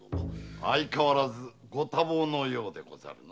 相変わらずご多忙のようでござるな。